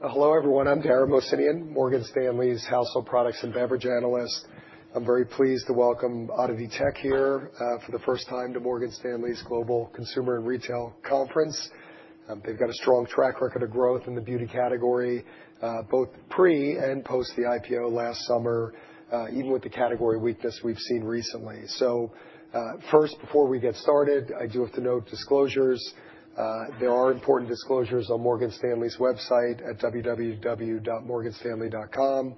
Hello everyone, I'm Dara Mohsenian, Morgan Stanley's household products and beverage analyst. I'm very pleased to welcome ODDITY Tech here for the first time to Morgan Stanley's Global Consumer and Retail Conference. They've got a strong track record of growth in the beauty category, both pre and post the IPO last summer, even with the category weakness we've seen recently. So first, before we get started, I do have to note disclosures. There are important disclosures on Morgan Stanley's website at www.morganstanley.com,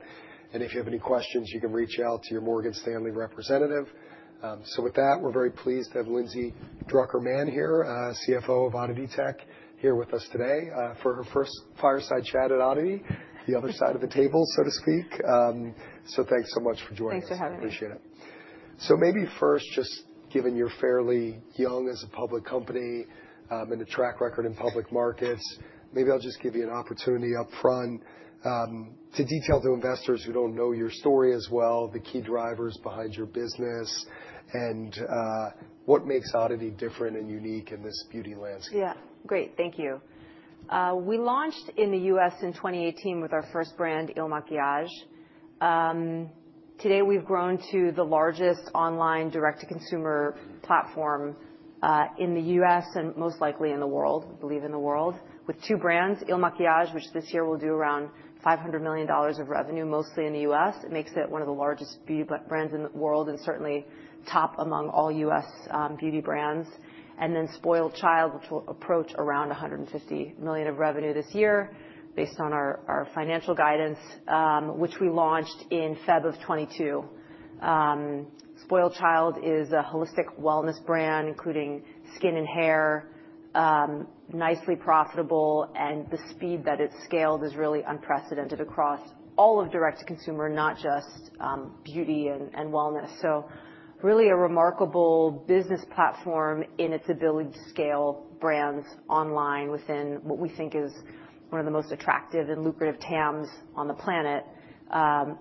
and if you have any questions, you can reach out to your Morgan Stanley representative. So with that, we're very pleased to have Lindsay Drucker Mann here, CFO of ODDITY Tech, here with us today for her first fireside chat at ODDITY, the other side of the table, so to speak. So thanks so much for joining us. Thanks for having me. Appreciate it. So maybe first, just given you're fairly young as a public company and a track record in public markets, maybe I'll just give you an opportunity upfront to detail to investors who don't know your story as well, the key drivers behind your business, and what makes ODDITY different and unique in this beauty landscape. Yeah, great, thank you. We launched in the U.S. in 2018 with our first brand, IL MAKIAGE. Today we've grown to the largest online direct-to-consumer platform in the U.S. and most likely in the world, I believe in the world, with two brands, IL MAKIAGE, which this year will do around $500 million of revenue, mostly in the U.S. It makes it one of the largest beauty brands in the world and certainly top among all U.S. beauty brands. And then SpoiledChild, which will approach around $150 million of revenue this year based on our financial guidance, which we launched in February of 2022. SpoiledChild is a holistic wellness brand, including skin and hair, nicely profitable, and the speed that it's scaled is really unprecedented across all of direct-to-consumer, not just beauty and wellness. Really a remarkable business platform in its ability to scale brands online within what we think is one of the most attractive and lucrative TAMs on the planet,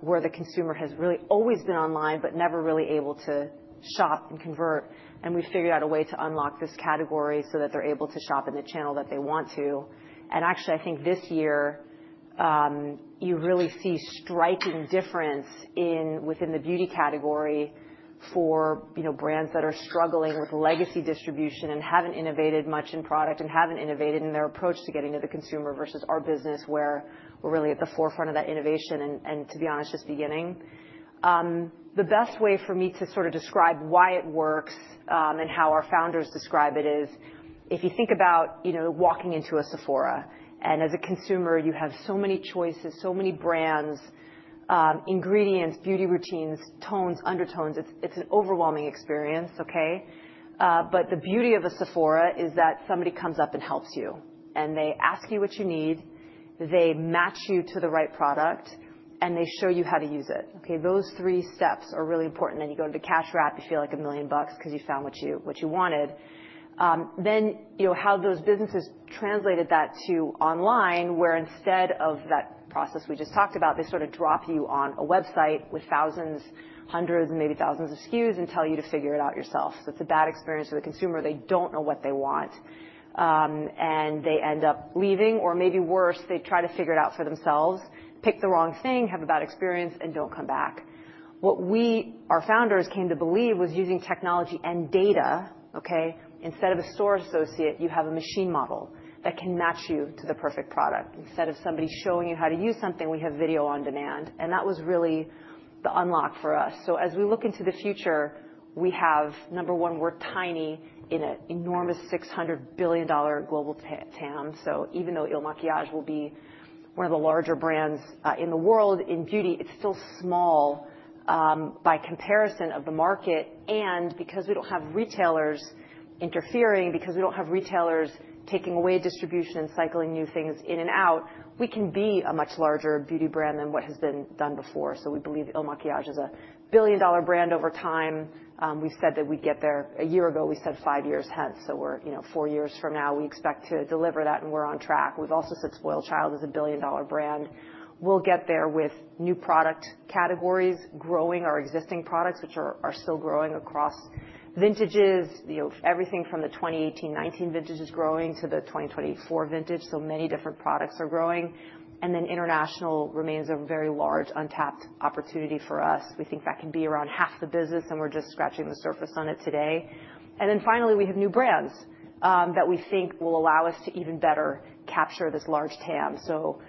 where the consumer has really always been online but never really able to shop and convert. We figured out a way to unlock this category so that they're able to shop in the channel that they want to. Actually, I think this year you really see a striking difference within the beauty category for brands that are struggling with legacy distribution and haven't innovated much in product and haven't innovated in their approach to getting to the consumer versus our business, where we're really at the forefront of that innovation and, to be honest, just beginning. The best way for me to sort of describe why it works and how our founders describe it is, if you think about walking into a Sephora, and as a consumer, you have so many choices, so many brands, ingredients, beauty routines, tones, undertones, it's an overwhelming experience, okay? But the beauty of a Sephora is that somebody comes up and helps you, and they ask you what you need, they match you to the right product, and they show you how to use it. Okay, those three steps are really important. Then you go to the cash wrap, you feel like a million bucks because you found what you wanted. Then how those businesses translated that to online, where instead of that process we just talked about, they sort of drop you on a website with thousands, hundreds, and maybe thousands of SKUs and tell you to figure it out yourself. So it's a bad experience for the consumer. They don't know what they want, and they end up leaving, or maybe worse, they try to figure it out for themselves, pick the wrong thing, have a bad experience, and don't come back. What we, our founders, came to believe was using technology and data, okay? Instead of a store associate, you have a machine model that can match you to the perfect product. Instead of somebody showing you how to use something, we have video on demand, and that was really the unlock for us. As we look into the future, we have, number one, we're tiny in an enormous $600 billion global TAM. Even though IL MAKIAGE will be one of the larger brands in the world in beauty, it's still small by comparison of the market. Because we don't have retailers interfering, because we don't have retailers taking away distribution and cycling new things in and out, we can be a much larger beauty brand than what has been done before. We believe IL MAKIAGE is a billion-dollar brand over time. We said that we'd get there a year ago, we said five years hence, so we're four years from now, we expect to deliver that and we're on track. We've also said SpoiledChild is a billion-dollar brand. We'll get there with new product categories, growing our existing products, which are still growing across vintages, everything from the 2018-2019 vintage is growing to the 2024 vintage, so many different products are growing, and then international remains a very large untapped opportunity for us. We think that can be around half the business, and we're just scratching the surface on it today, and then finally, we have new brands that we think will allow us to even better capture this large TAM, so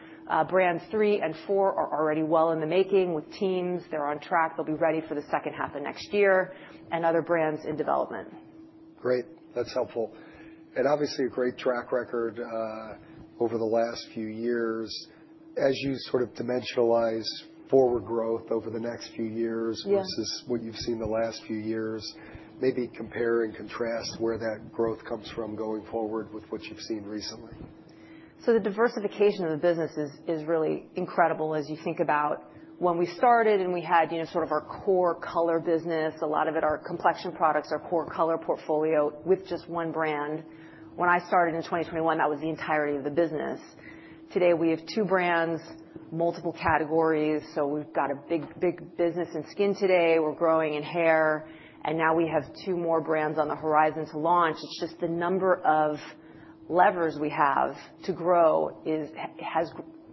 brands three and four are already well in the making with teams. They're on track. They'll be ready for the second half of next year, and other brands in development. Great, that's helpful. And obviously a great track record over the last few years. As you sort of dimensionalize forward growth over the next few years versus what you've seen the last few years, maybe compare and contrast where that growth comes from going forward with what you've seen recently. So the diversification of the business is really incredible as you think about when we started and we had sort of our core color business, a lot of it our complexion products, our core color portfolio with just one brand. When I started in 2021, that was the entirety of the business. Today we have two brands, multiple categories, so we've got a big business in skin today, we're growing in hair, and now we have two more brands on the horizon to launch. It's just the number of levers we have to grow has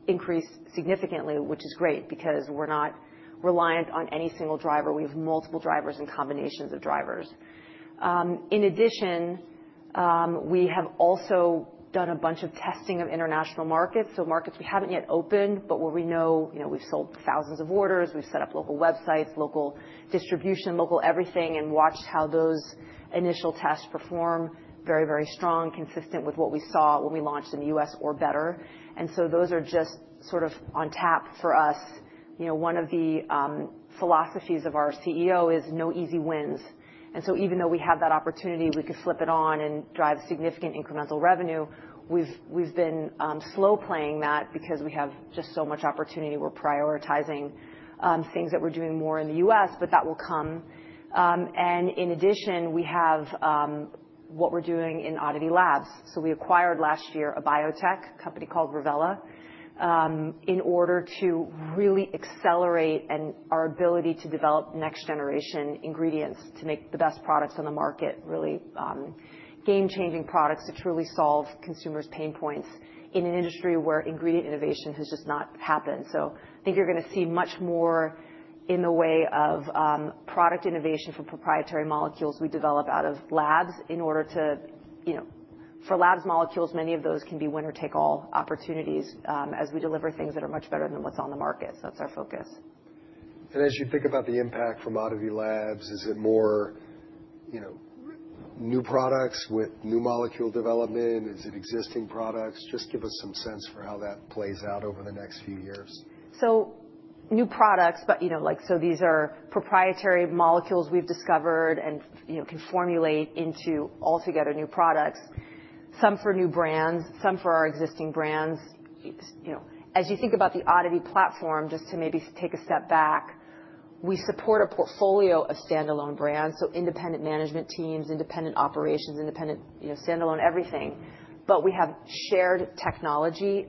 increased significantly, which is great because we're not reliant on any single driver. We have multiple drivers and combinations of drivers. In addition, we have also done a bunch of testing of international markets, so markets we haven't yet opened, but where we know we've sold thousands of orders, we've set up local websites, local distribution, local everything, and watched how those initial tests perform very, very strong, consistent with what we saw when we launched in the U.S. or better. And so those are just sort of on tap for us. One of the philosophies of our CEO is "no easy wins." And so even though we have that opportunity, we could flip it on and drive significant incremental revenue, we've been slow playing that because we have just so much opportunity. We're prioritizing things that we're doing more in the U.S., but that will come. And in addition, we have what we're doing in ODDITY LABS. So we acquired last year a biotech company called Revela in order to really accelerate our ability to develop next-generation ingredients to make the best products on the market, really game-changing products to truly solve consumers' pain points in an industry where ingredient innovation has just not happened. So I think you're going to see much more in the way of product innovation for proprietary molecules we develop out of labs in order to formulate molecules, many of those can be winner-take-all opportunities as we deliver things that are much better than what's on the market. So that's our focus. And as you think about the impact from ODDITY LABS, is it more new products with new molecule development? Is it existing products? Just give us some sense for how that plays out over the next few years. So new products, so these are proprietary molecules we've discovered and can formulate into altogether new products, some for new brands, some for our existing brands. As you think about the ODDITY platform, just to maybe take a step back, we support a portfolio of standalone brands, so independent management teams, independent operations, independent standalone everything, but we have shared technology,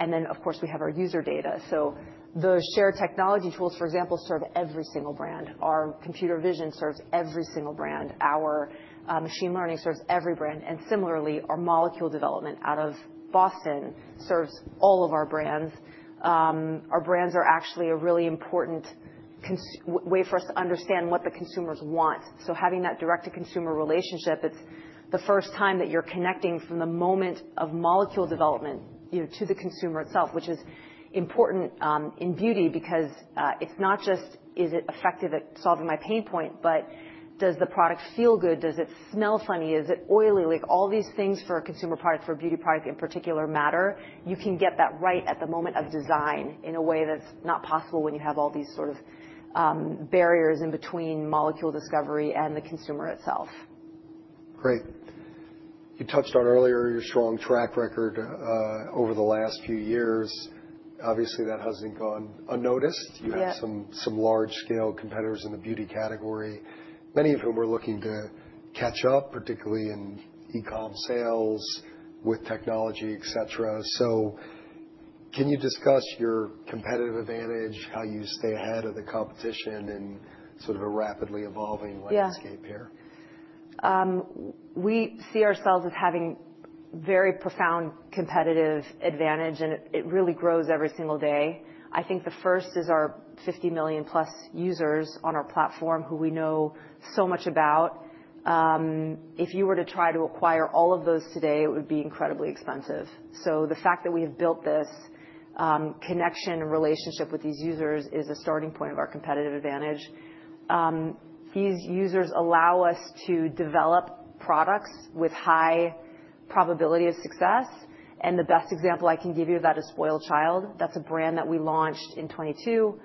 and then of course we have our user data. So the shared technology tools, for example, serve every single brand. Our computer vision serves every single brand. Our machine learning serves every brand. And similarly, our molecule development out of Boston serves all of our brands. Our brands are actually a really important way for us to understand what the consumers want. So having that direct-to-consumer relationship, it's the first time that you're connecting from the moment of molecule development to the consumer itself, which is important in beauty because it's not just, is it effective at solving my pain point, but does the product feel good? Does it smell funny? Is it oily? All these things for a consumer product, for a beauty product in particular, matter. You can get that right at the moment of design in a way that's not possible when you have all these sort of barriers in between molecule discovery and the consumer itself. Great. You touched on earlier your strong track record over the last few years. Obviously, that hasn't gone unnoticed. You have some large-scale competitors in the beauty category, many of whom are looking to catch up, particularly in e-commerce sales, with technology, et cetera. So can you discuss your competitive advantage, how you stay ahead of the competition in sort of a rapidly evolving landscape here? Yeah. We see ourselves as having very profound competitive advantage, and it really grows every single day. I think the first is our 50+ million users on our platform who we know so much about. If you were to try to acquire all of those today, it would be incredibly expensive. So the fact that we have built this connection and relationship with these users is a starting point of our competitive advantage. These users allow us to develop products with high probability of success, and the best example I can give you of that is SpoiledChild. That's a brand that we launched in 2022.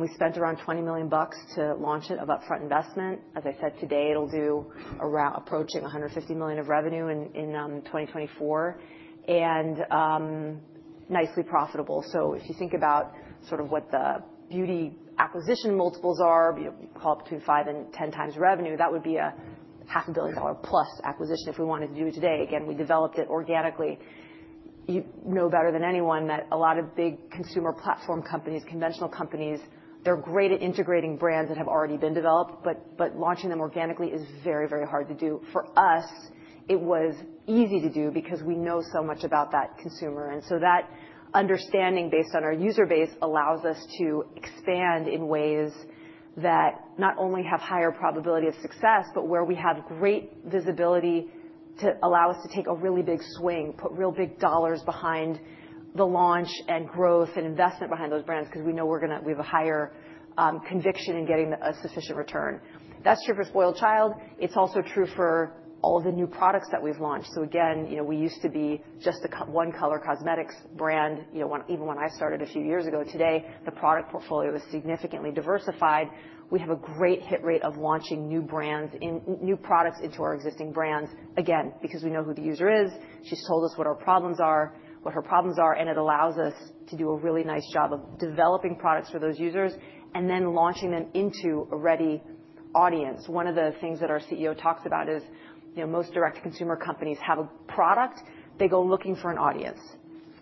We spent around $20 million to launch it of upfront investment. As I said, today it'll do approaching $150 million of revenue in 2024 and nicely profitable. If you think about sort of what the beauty acquisition multiples are, you call it between five and 10 times revenue, that would be a $500+ million acquisition if we wanted to do it today. Again, we developed it organically. You know better than anyone that a lot of big consumer platform companies, conventional companies, they're great at integrating brands that have already been developed, but launching them organically is very, very hard to do. For us, it was easy to do because we know so much about that consumer. That understanding based on our user base allows us to expand in ways that not only have higher probability of success, but where we have great visibility to allow us to take a really big swing, put real big dollars behind the launch and growth and investment behind those brands because we know we have a higher conviction in getting a sufficient return. That's true for SpoiledChild. It's also true for all of the new products that we've launched. So again, we used to be just a one-color cosmetics brand. Even when I started a few years ago, today the product portfolio is significantly diversified. We have a great hit rate of launching new brands and new products into our existing brands, again, because we know who the user is. She's told us what our problems are, what her problems are, and it allows us to do a really nice job of developing products for those users and then launching them into a ready audience. One of the things that our CEO talks about is most direct-to-consumer companies have a product, they go looking for an audience.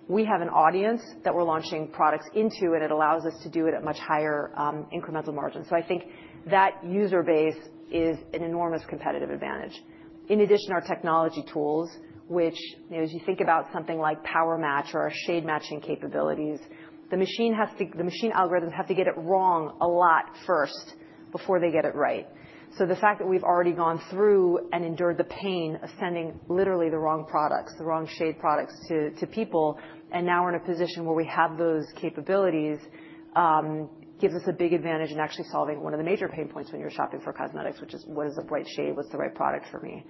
We have an audience that we're launching products into, and it allows us to do it at much higher incremental margin. So I think that user base is an enormous competitive advantage. In addition, our technology tools, which, as you think about something like PowerMatch or our shade matching capabilities, the machine algorithms have to get it wrong a lot first before they get it right. So the fact that we've already gone through and endured the pain of sending literally the wrong products, the wrong shade products to people, and now we're in a position where we have those capabilities gives us a big advantage in actually solving one of the major pain points when you're shopping for cosmetics, which is what is the right shade, what's the right product for me.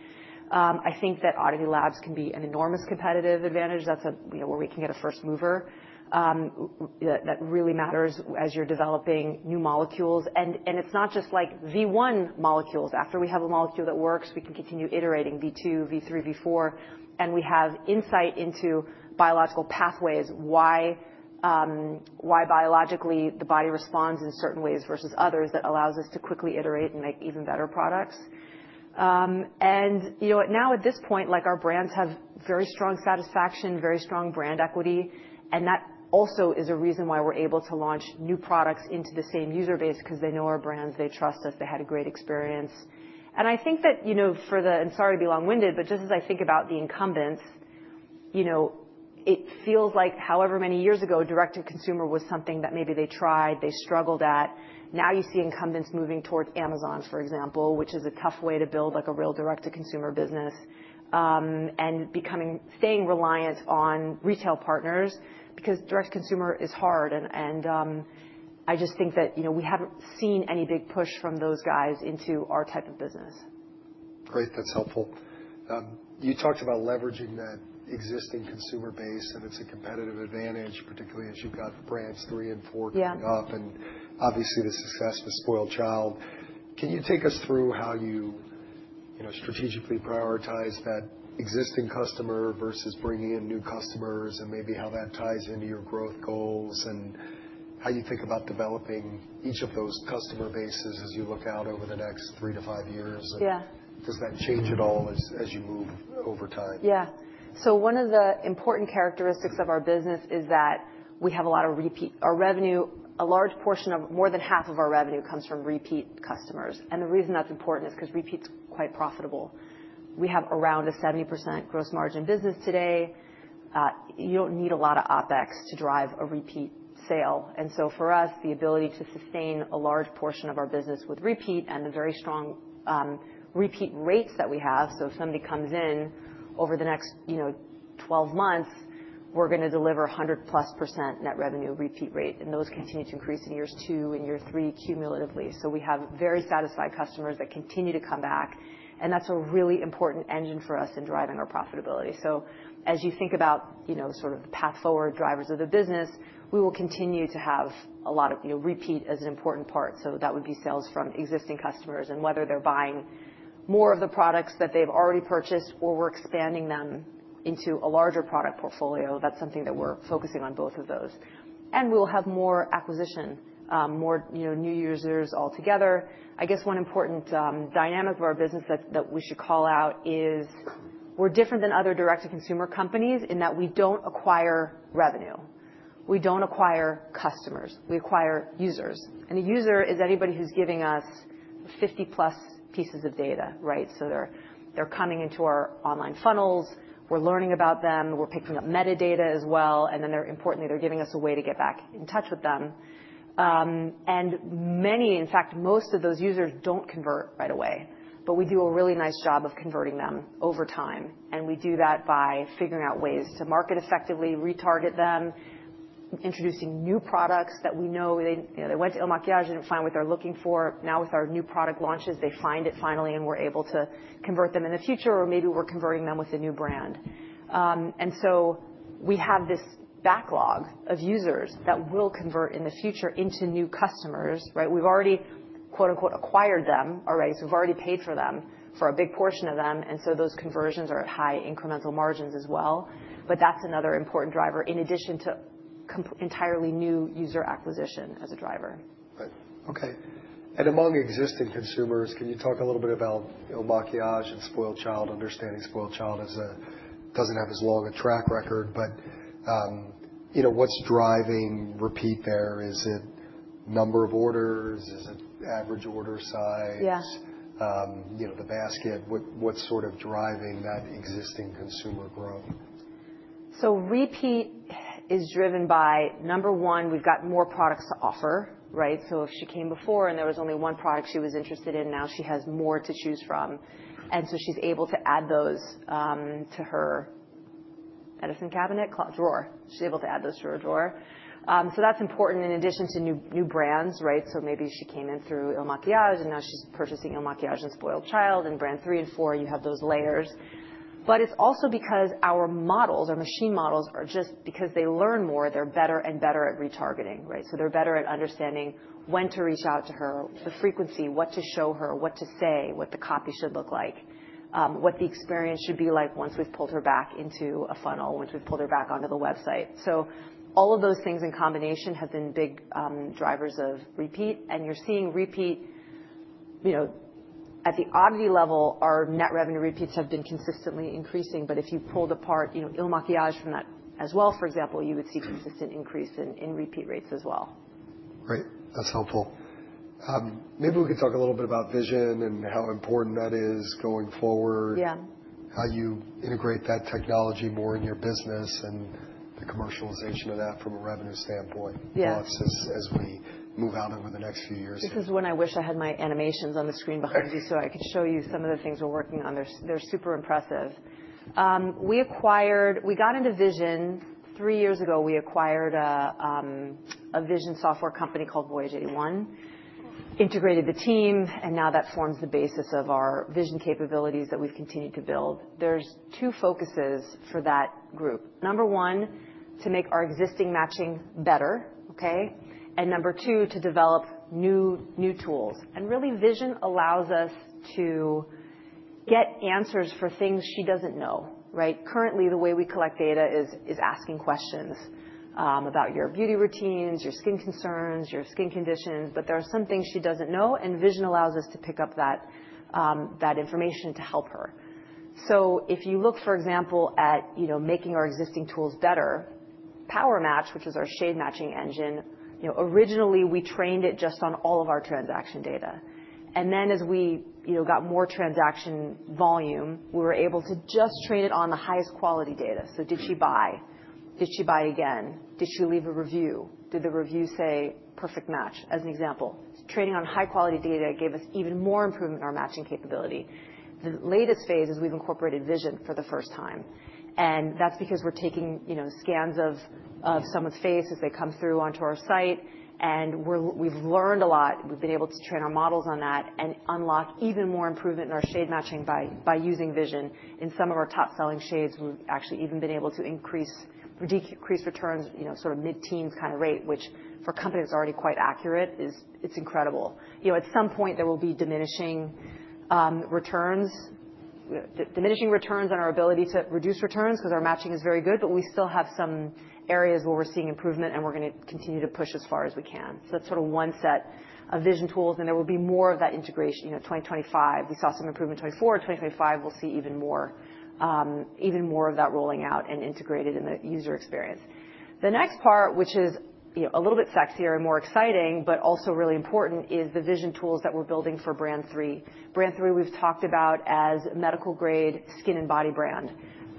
I think that ODDITY LABS can be an enormous competitive advantage. That's where we can get a first mover that really matters as you're developing new molecules. And it's not just like V1 molecules. After we have a molecule that works, we can continue iterating V2, V3, V4, and we have insight into biological pathways, why biologically the body responds in certain ways versus others that allows us to quickly iterate and make even better products. Now at this point, our brands have very strong satisfaction, very strong brand equity, and that also is a reason why we're able to launch new products into the same user base because they know our brands, they trust us, they had a great experience. I think that for the, and sorry to be long-winded, but just as I think about the incumbents, it feels like however many years ago, direct-to-consumer was something that maybe they tried, they struggled at. Now you see incumbents moving towards Amazon, for example, which is a tough way to build a real direct-to-consumer business and staying reliant on retail partners because direct-to-consumer is hard. I just think that we haven't seen any big push from those guys into our type of business. Great, that's helpful. You talked about leveraging that existing consumer base and it's a competitive advantage, particularly as you've got brands three and four coming up and obviously the success with SpoiledChild. Can you take us through how you strategically prioritize that existing customer versus bringing in new customers and maybe how that ties into your growth goals and how you think about developing each of those customer bases as you look out over the next three to five years? Does that change at all as you move over time? Yeah. So one of the important characteristics of our business is that we have a lot of repeat. Our revenue, a large portion of more than half of our revenue comes from repeat customers. And the reason that's important is because repeat's quite profitable. We have around a 70% gross margin business today. You don't need a lot of OPEX to drive a repeat sale. And so for us, the ability to sustain a large portion of our business with repeat and the very strong repeat rates that we have, so if somebody comes in over the next 12 months, we're going to deliver 100+% net revenue repeat rate. And those continue to increase in year two and year three cumulatively. So we have very satisfied customers that continue to come back, and that's a really important engine for us in driving our profitability. As you think about sort of the path forward drivers of the business, we will continue to have a lot of repeat as an important part. That would be sales from existing customers and whether they're buying more of the products that they've already purchased or we're expanding them into a larger product portfolio. That's something that we're focusing on both of those. We'll have more acquisition, more new users altogether. I guess one important dynamic of our business that we should call out is we're different than other direct-to-consumer companies in that we don't acquire revenue. We don't acquire customers. We acquire users. A user is anybody who's giving us 50+ pieces of data, right? So they're coming into our online funnels, we're learning about them, we're picking up metadata as well, and then importantly, they're giving us a way to get back in touch with them. And many, in fact, most of those users don't convert right away, but we do a really nice job of converting them over time. And we do that by figuring out ways to market effectively, retarget them, introducing new products that we know they went to IL MAKIAGE and didn't find what they're looking for. Now with our new product launches, they find it finally and we're able to convert them in the future or maybe we're converting them with a new brand. And so we have this backlog of users that will convert in the future into new customers, right? We've already "acquired" them, so we've already paid for them, for a big portion of them, and so those conversions are at high incremental margins as well, but that's another important driver in addition to entirely new user acquisition as a driver. Right. Okay. And among existing consumers, can you talk a little bit about IL MAKIAGE and SpoiledChild, understanding SpoiledChild doesn't have as long a track record, but what's driving repeat there? Is it number of orders? Is it average order size? Yes. The basket? What's sort of driving that existing consumer growth? So repeat is driven by, number one, we've got more products to offer, right? So if she came before and there was only one product she was interested in, now she has more to choose from. And so she's able to add those to her Edison cabinet drawer. She's able to add those to her drawer. So that's important in addition to new brands, right? So maybe she came in through IL MAKIAGE and now she's purchasing IL MAKIAGE and SpoiledChild and Brand 3 and Brand 4, you have those layers. But it's also because our models, our machine models are just because they learn more, they're better and better at retargeting, right? They're better at understanding when to reach out to her, the frequency, what to show her, what to say, what the copy should look like, what the experience should be like once we've pulled her back into a funnel, once we've pulled her back onto the website. All of those things in combination have been big drivers of repeat, and you're seeing repeat at the ODDITY level. Our net revenue repeats have been consistently increasing, but if you pulled apart IL MAKIAGE from that as well, for example, you would see consistent increase in repeat rates as well. Great. That's helpful. Maybe we could talk a little bit about vision and how important that is going forward. Yeah. How you integrate that technology more in your business and the commercialization of that from a revenue standpoint? Yeah. As we move out over the next few years. This is when I wish I had my animations on the screen behind you so I could show you some of the things we're working on. They're super impressive. We got into vision three years ago. We acquired a vision software company called Voyage81, integrated the team, and now that forms the basis of our vision capabilities that we've continued to build. There's two focuses for that group. Number one, to make our existing matching better, okay? And number two, to develop new tools. And really vision allows us to get answers for things she doesn't know, right? Currently, the way we collect data is asking questions about your beauty routines, your skin concerns, your skin conditions, but there are some things she doesn't know, and vision allows us to pick up that information to help her. So if you look, for example, at making our existing tools better, PowerMatch, which was our shade matching engine, originally we trained it just on all of our transaction data. And then as we got more transaction volume, we were able to just train it on the highest quality data. So did she buy? Did she buy again? Did she leave a review? Did the review say perfect match? As an example, training on high quality data gave us even more improvement in our matching capability. The latest phase is we've incorporated vision for the first time. And that's because we're taking scans of someone's face as they come through onto our site, and we've learned a lot. We've been able to train our models on that and unlock even more improvement in our shade matching by using vision. In some of our top selling shades, we've actually even been able to decrease returns, sort of mid-teens kind of rate, which for a company that's already quite accurate, it's incredible. At some point, there will be diminishing returns, diminishing returns on our ability to reduce returns because our matching is very good, but we still have some areas where we're seeing improvement and we're going to continue to push as far as we can. So that's sort of one set of vision tools, and there will be more of that integration. In 2025, we saw some improvement in 2024. In 2025, we'll see even more of that rolling out and integrated in the user experience. The next part, which is a little bit sexier and more exciting, but also really important, is the vision tools that we're building for Brand 3. Brand 3, we've talked about as medical grade skin and body brand.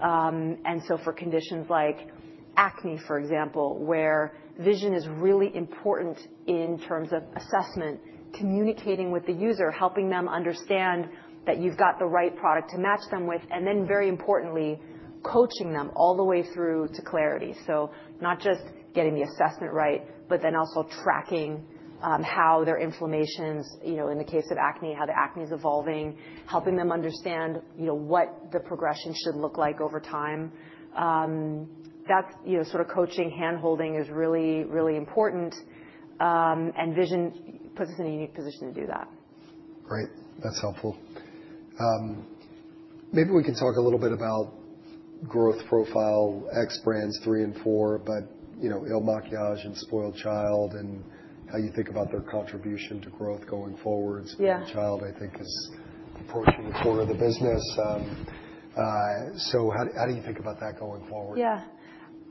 And so for conditions like acne, for example, where vision is really important in terms of assessment, communicating with the user, helping them understand that you've got the right product to match them with, and then very importantly, coaching them all the way through to clarity. So not just getting the assessment right, but then also tracking how their inflammations, in the case of acne, how the acne is evolving, helping them understand what the progression should look like over time. That sort of coaching, handholding is really, really important, and vision puts us in a unique position to do that. Great. That's helpful. Maybe we can talk a little bit about growth profile of Brands 3 and 4, but IL MAKIAGE and SpoiledChild and how you think about their contribution to growth going forward. SpoiledChild, I think, is approaching the core of the business. So how do you think about that going forward? Yeah.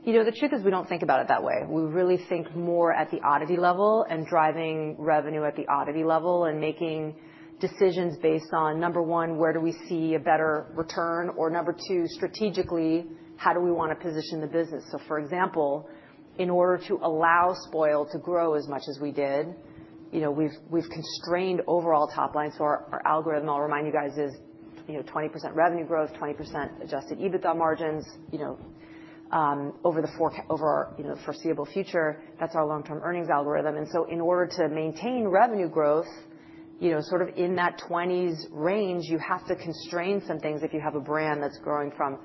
You know, the truth is we don't think about it that way. We really think more at the ODDITY level and driving revenue at the ODDITY level and making decisions based on, number one, where do we see a better return, or number two, strategically, how do we want to position the business? So for example, in order to allow Spoiled to grow as much as we did, we've constrained overall top line. So our algorithm, I'll remind you guys, is 20% revenue growth, 20% adjusted EBITDA margins over the foreseeable future. That's our long-term earnings algorithm. And so in order to maintain revenue growth, sort of in that 20s range, you have to constrain some things if you have a brand that's growing from,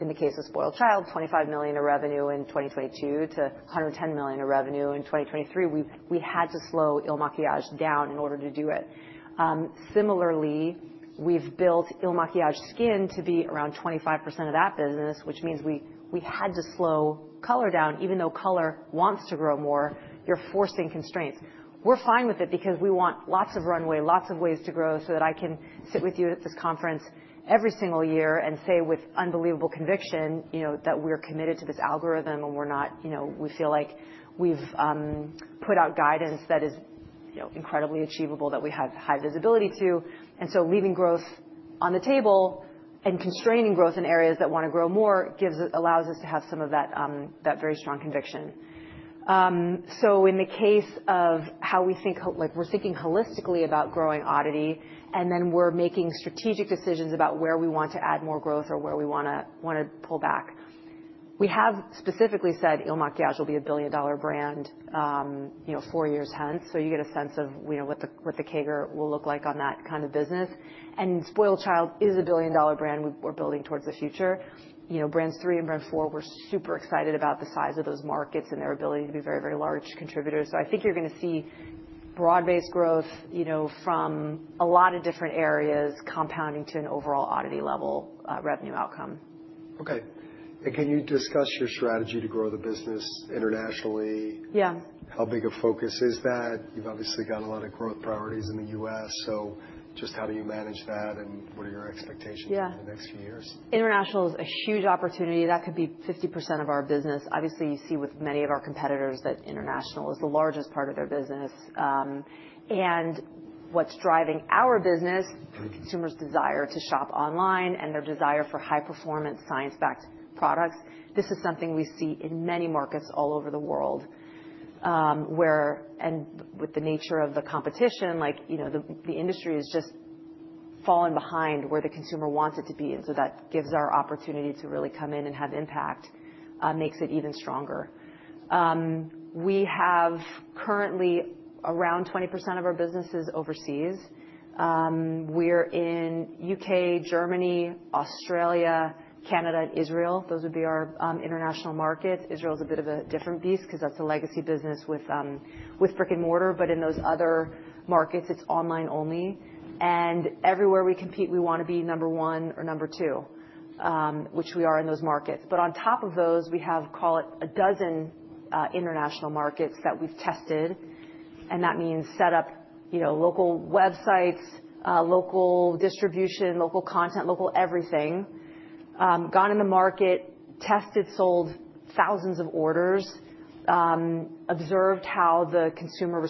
in the case of SpoiledChild, $25 million of revenue in 2022 to $110 million of revenue in 2023. We had to slow IL MAKIAGE down in order to do it. Similarly, we've built IL MAKIAGE skin to be around 25% of that business, which means we had to slow color down. Even though color wants to grow more, you're forcing constraints. We're fine with it because we want lots of runway, lots of ways to grow so that I can sit with you at this conference every single year and say with unbelievable conviction that we're committed to this algorithm and we feel like we've put out guidance that is incredibly achievable, that we have high visibility to, and so leaving growth on the table and constraining growth in areas that want to grow more allows us to have some of that very strong conviction. In the case of how we think, we're thinking holistically about growing ODDITY, and then we're making strategic decisions about where we want to add more growth or where we want to pull back. We have specifically said IL MAKIAGE will be a billion-dollar brand four years hence, so you get a sense of what the CAGR will look like on that kind of business. SpoiledChild is a billion-dollar brand we're building towards the future. Brands three and brand four, we're super excited about the size of those markets and their ability to be very, very large contributors. I think you're going to see broad-based growth from a lot of different areas compounding to an overall ODDITY level revenue outcome. Okay, and can you discuss your strategy to grow the business internationally? Yeah. How big a focus is that? You've obviously got a lot of growth priorities in the U.S., so just how do you manage that and what are your expectations for the next few years? International is a huge opportunity. That could be 50% of our business. Obviously, you see with many of our competitors that international is the largest part of their business. And what's driving our business is consumers' desire to shop online and their desire for high-performance science-backed products. This is something we see in many markets all over the world. And with the nature of the competition, the industry has just fallen behind where the consumer wants it to be. And so that gives our opportunity to really come in and have impact, makes it even stronger. We have currently around 20% of our businesses overseas. We're in U.K., Germany, Australia, Canada, and Israel. Those would be our international markets. Israel is a bit of a different beast because that's a legacy business with brick and mortar, but in those other markets, it's online only. Everywhere we compete, we want to be number one or number two, which we are in those markets. But on top of those, we have called it a dozen international markets that we've tested, and that means set up local websites, local distribution, local content, local everything, gone in the market, tested, sold thousands of orders, observed how the consumer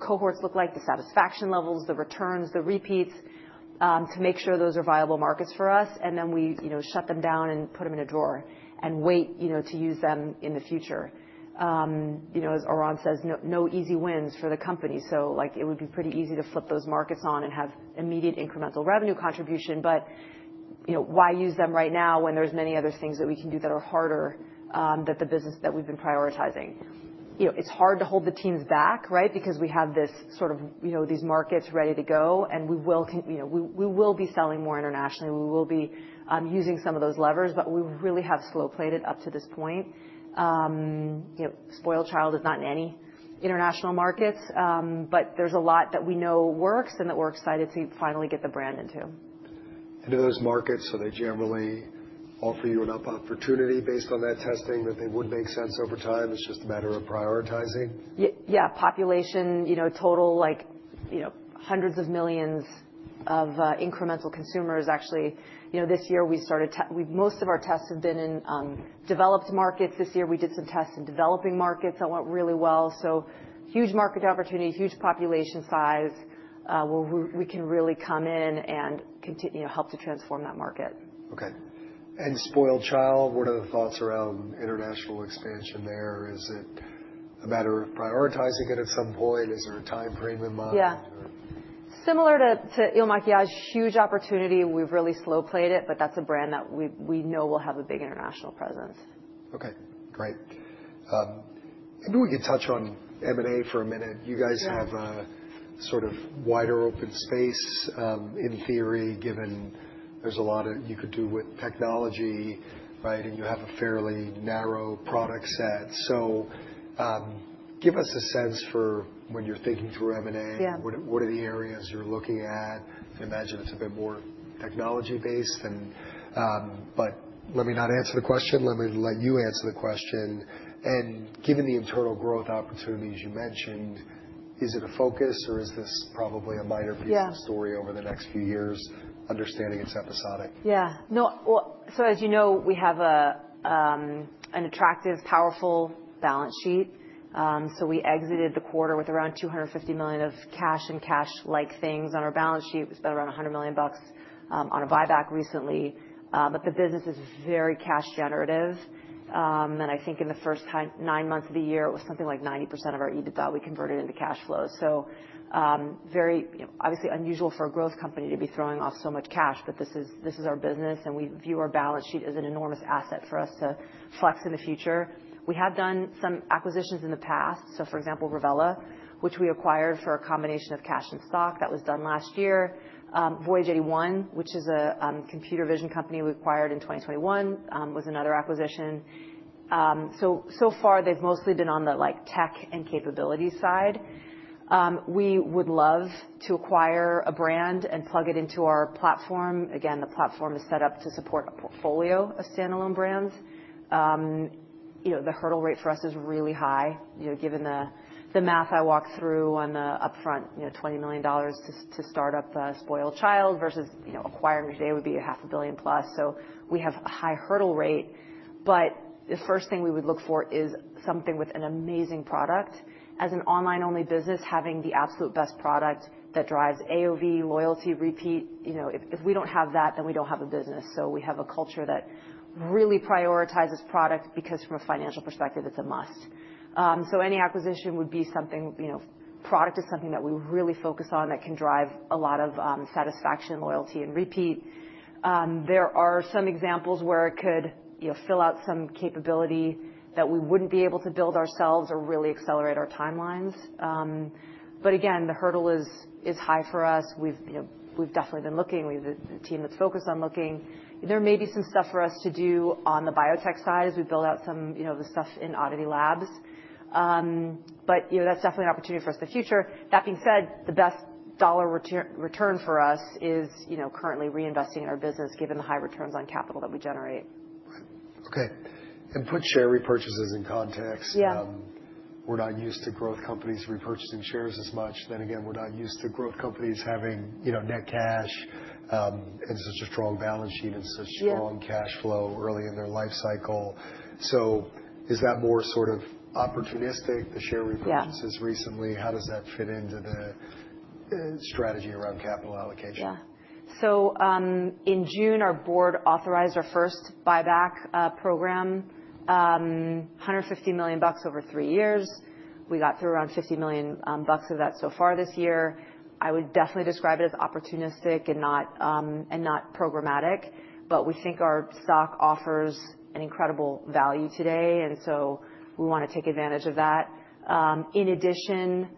cohorts look like, the satisfaction levels, the returns, the repeats to make sure those are viable markets for us, and then we shut them down and put them in a drawer and wait to use them in the future. As Oran says, no easy wins for the company. So it would be pretty easy to flip those markets on and have immediate incremental revenue contribution, but why use them right now when there's many other things that we can do that are harder than the business that we've been prioritizing? It's hard to hold the teams back, right? Because we have these markets ready to go, and we will be selling more internationally. We will be using some of those levers, but we really have slow played it up to this point. SpoiledChild is not in any international markets, but there's a lot that we know works and that we're excited to finally get the brand into. And are those markets, are they generally offer you enough opportunity based on that testing that they would make sense over time? It's just a matter of prioritizing? Yeah. Population, total hundreds of millions of incremental consumers. Actually, this year we started, most of our tests have been in developed markets. This year we did some tests in developing markets that went really well. So huge market opportunity, huge population size where we can really come in and help to transform that market. Okay. And SpoiledChild, what are the thoughts around international expansion there? Is it a matter of prioritizing it at some point? Is there a time frame in mind? Yeah. Similar to IL MAKIAGE, huge opportunity. We've really slow-played it, but that's a brand that we know will have a big international presence. Okay. Great. Maybe we could touch on M&A for a minute. You guys have a sort of wider open space in theory, given there's a lot you could do with technology, right? And you have a fairly narrow product set. So give us a sense for when you're thinking through M&A, what are the areas you're looking at? Imagine it's a bit more technology-based, but let me not answer the question. Let me let you answer the question. And given the internal growth opportunities you mentioned, is it a focus or is this probably a minor piece of the story over the next few years, understanding it's episodic? Yeah. So as you know, we have an attractive, powerful balance sheet. So we exited the quarter with around $250 million of cash and cash-like things on our balance sheet. We spent around $100 million on a buyback recently, but the business is very cash-generative. And I think in the first nine months of the year, it was something like 90% of our EBITDA we converted into cash flows. So very obviously unusual for a growth company to be throwing off so much cash, but this is our business and we view our balance sheet as an enormous asset for us to flex in the future. We have done some acquisitions in the past. So for example, Revela, which we acquired for a combination of cash and stock, that was done last year. Voyage81, which is a computer vision company we acquired in 2021, was another acquisition. So far, they've mostly been on the tech and capability side. We would love to acquire a brand and plug it into our platform. Again, the platform is set up to support a portfolio of standalone brands. The hurdle rate for us is really high. Given the math I walked through on the upfront, $20 million to start up SpoiledChild versus acquiring today would be $500+ million. So we have a high hurdle rate, but the first thing we would look for is something with an amazing product. As an online-only business, having the absolute best product that drives AOV, loyalty, repeat, if we don't have that, then we don't have a business. So we have a culture that really prioritizes product because from a financial perspective, it's a must. So any acquisition would be something, product is something that we really focus on that can drive a lot of satisfaction, loyalty, and repeat. There are some examples where it could fill out some capability that we wouldn't be able to build ourselves or really accelerate our timelines. But again, the hurdle is high for us. We've definitely been looking. We have a team that's focused on looking. There may be some stuff for us to do on the biotech side as we build out some of the stuff in ODDITY LABS, but that's definitely an opportunity for us in the future. That being said, the best dollar return for us is currently reinvesting in our business given the high returns on capital that we generate. Right. Okay. And put share repurchases in context. We're not used to growth companies repurchasing shares as much. Then again, we're not used to growth companies having net cash and such a strong balance sheet and such strong cash flow early in their life cycle. So is that more sort of opportunistic, the share repurchases recently? How does that fit into the strategy around capital allocation? Yeah, so in June, our board authorized our first buyback program, $150 million over three years. We got through around $50 million of that so far this year. I would definitely describe it as opportunistic and not programmatic, but we think our stock offers an incredible value today, and so we want to take advantage of that. In addition,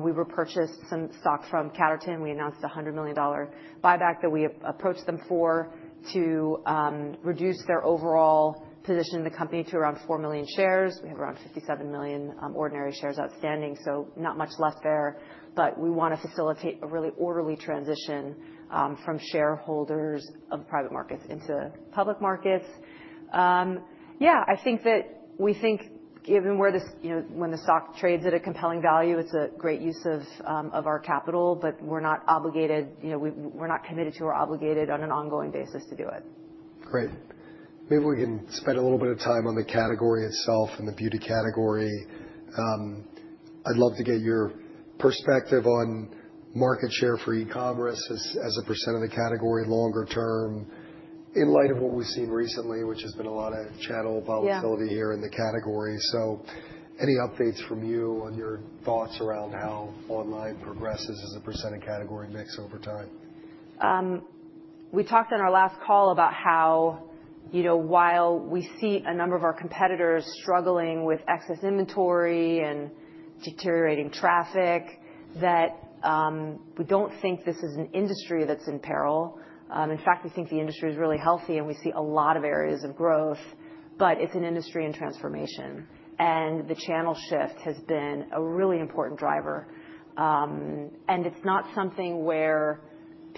we repurchased some stock from L Catterton. We announced a $100 million buyback that we approached them for to reduce their overall position in the company to around 4 million shares. We have around 57 million ordinary shares outstanding, so not much left there, but we want to facilitate a really orderly transition from shareholders of private markets into public markets. Yeah, I think that we think, given where it is when the stock trades at a compelling value, it's a great use of our capital, but we're not obligated. We're not committed to or obligated on an ongoing basis to do it. Great. Maybe we can spend a little bit of time on the category itself and the beauty category. I'd love to get your perspective on market share for e-commerce as a percent of the category longer term in light of what we've seen recently, which has been a lot of channel volatility here in the category. So any updates from you on your thoughts around how online progresses as a percent of category mix over time? We talked on our last call about how while we see a number of our competitors struggling with excess inventory and deteriorating traffic, that we don't think this is an industry that's in peril. In fact, we think the industry is really healthy and we see a lot of areas of growth, but it's an industry in transformation. And the channel shift has been a really important driver. And it's not something where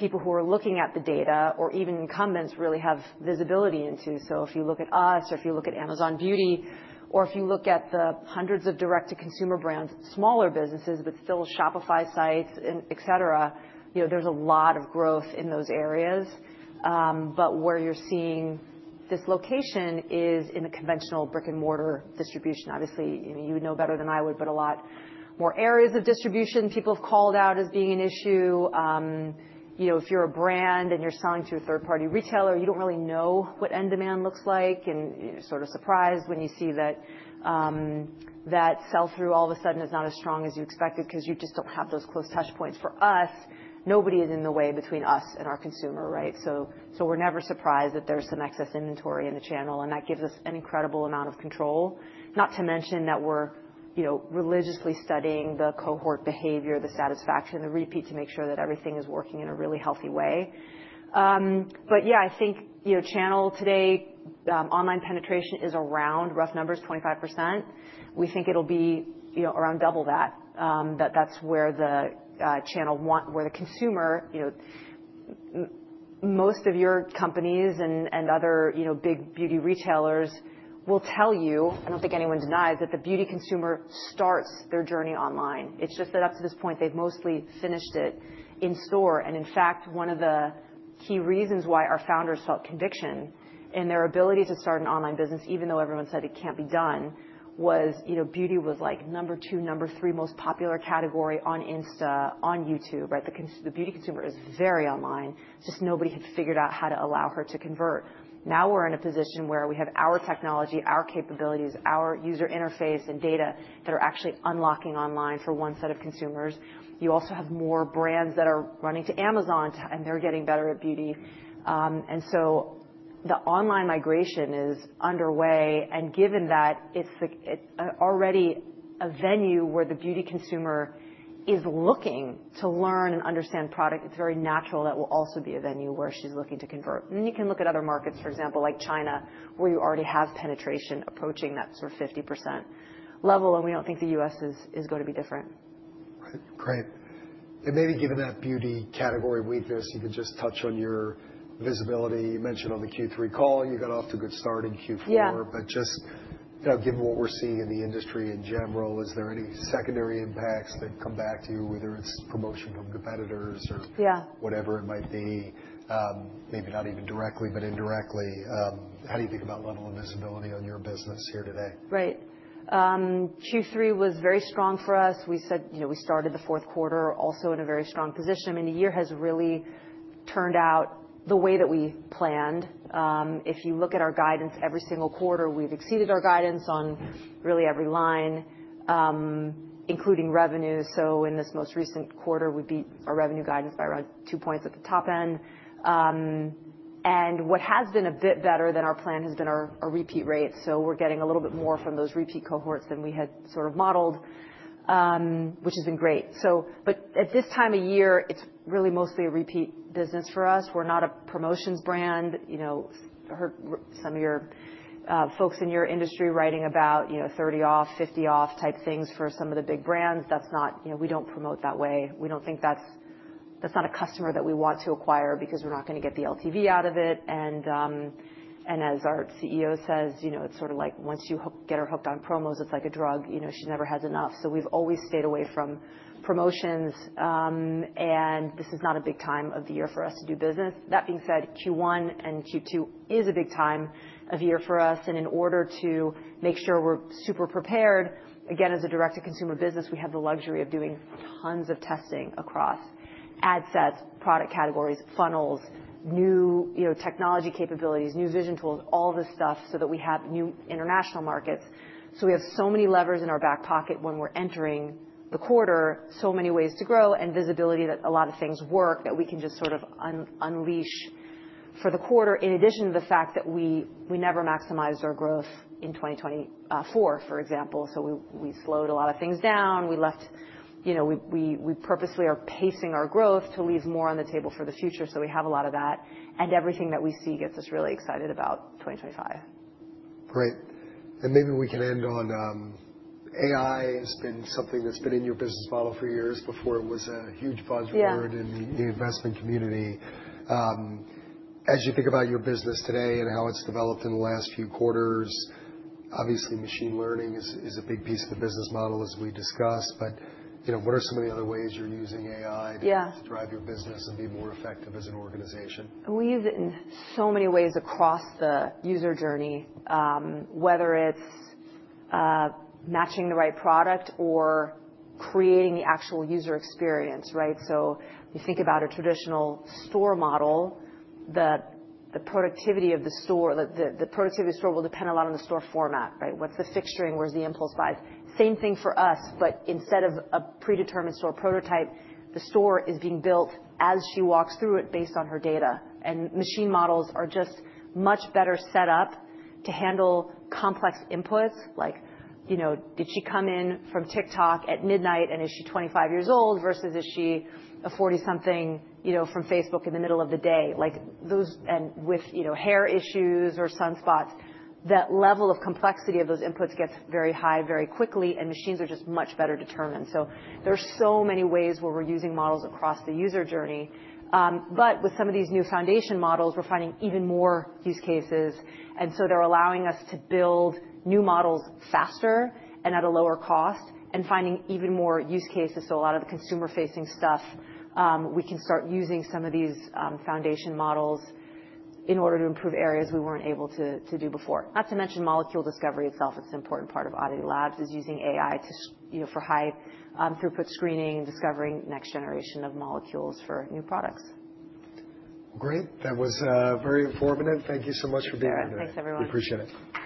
people who are looking at the data or even incumbents really have visibility into. So if you look at us or if you look at Amazon Beauty or if you look at the hundreds of direct-to-consumer brands, smaller businesses, but still Shopify sites, etc., there's a lot of growth in those areas. But where you're seeing dislocation is in the conventional brick-and-mortar distribution. Obviously, you would know better than I would, but a lot more areas of distribution people have called out as being an issue. If you're a brand and you're selling to a third-party retailer, you don't really know what end demand looks like and you're sort of surprised when you see that sell-through all of a sudden is not as strong as you expected because you just don't have those close touch points. For us, nobody is in the way between us and our consumer, right? So we're never surprised that there's some excess inventory in the channel, and that gives us an incredible amount of control. Not to mention that we're religiously studying the cohort behavior, the satisfaction, the repeat to make sure that everything is working in a really healthy way. But yeah, I think channel today, online penetration is around rough numbers, 25%. We think it'll be around double that. That's where the channel wants, where the consumer, most of your companies and other big beauty retailers will tell you, I don't think anyone denies that the beauty consumer starts their journey online. It's just that up to this point, they've mostly finished it in-store, and in fact, one of the key reasons why our founders felt conviction in their ability to start an online business, even though everyone said it can't be done, was beauty was like number two, number three most popular category on Insta, on YouTube, right? The beauty consumer is very online. It's just nobody had figured out how to allow her to convert. Now we're in a position where we have our technology, our capabilities, our user interface and data that are actually unlocking online for one set of consumers. You also have more brands that are running to Amazon and they're getting better at beauty. And so the online migration is underway. And given that it's already a venue where the beauty consumer is looking to learn and understand product, it's very natural that will also be a venue where she's looking to convert. And then you can look at other markets, for example, like China, where you already have penetration approaching that sort of 50% level, and we don't think the U.S. is going to be different. Right. Great. And maybe given that beauty category weakness, you can just touch on your visibility. You mentioned on the Q3 call, you got off to a good start in Q4, but just given what we're seeing in the industry in general, is there any secondary impacts that come back to you, whether it's promotion from competitors or whatever it might be, maybe not even directly, but indirectly? How do you think about level of visibility on your business here today? Right. Q3 was very strong for us. We said we started the fourth quarter also in a very strong position. I mean, the year has really turned out the way that we planned. If you look at our guidance every single quarter, we've exceeded our guidance on really every line, including revenue. So in this most recent quarter, we beat our revenue guidance by around two points at the top end, and what has been a bit better than our plan has been our repeat rates. So we're getting a little bit more from those repeat cohorts than we had sort of modeled, which has been great, but at this time of year, it's really mostly a repeat business for us. We're not a promotions brand. I heard some of your folks in your industry writing about 30 off, 50 off type things for some of the big brands. That's not. We don't promote that way. We don't think that's not a customer that we want to acquire because we're not going to get the LTV out of it. And as our CEO says, it's sort of like once you get her hooked on promos, it's like a drug. She never has enough. So we've always stayed away from promotions, and this is not a big time of the year for us to do business. That being said, Q1 and Q2 is a big time of year for us. And in order to make sure we're super prepared, again, as a direct-to-consumer business, we have the luxury of doing tons of testing across ad sets, product categories, funnels, new technology capabilities, new vision tools, all this stuff so that we have new international markets. So we have so many levers in our back pocket when we're entering the quarter, so many ways to grow and visibility that a lot of things work that we can just sort of unleash for the quarter, in addition to the fact that we never maximized our growth in 2024, for example. So we slowed a lot of things down. We purposely are pacing our growth to leave more on the table for the future. So we have a lot of that. And everything that we see gets us really excited about 2025. Great, and maybe we can end on AI has been something that's been in your business model for years before it was a huge buzzword in the investment community. As you think about your business today and how it's developed in the last few quarters, obviously machine learning is a big piece of the business model as we discussed, but what are some of the other ways you're using AI to drive your business and be more effective as an organization? We use it in so many ways across the user journey, whether it's matching the right product or creating the actual user experience, right? So you think about a traditional store model, the productivity of the store, the productivity of the store will depend a lot on the store format, right? What's the fixturing? Where's the impulse buys? Same thing for us, but instead of a predetermined store prototype, the store is being built as she walks through it based on her data. And machine models are just much better set up to handle complex inputs, like did she come in from TikTok at midnight and is she 25 years old versus is she a 40-something from Facebook in the middle of the day? And with hair issues or sunspots, that level of complexity of those inputs gets very high very quickly, and machines are just much better determined. So there are so many ways where we're using models across the user journey. But with some of these new foundation models, we're finding even more use cases. And so they're allowing us to build new models faster and at a lower cost and finding even more use cases. So a lot of the consumer-facing stuff, we can start using some of these foundation models in order to improve areas we weren't able to do before. Not to mention molecule discovery itself. It's an important part of ODDITY LABS is using AI for high-throughput screening and discovering next generation of molecules for new products. Great. That was very informative. Thank you so much for being here. Thanks, everyone. We appreciate it.